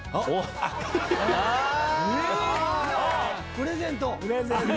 プレゼント！